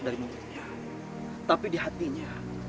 dari mulutnya tapi di hatinya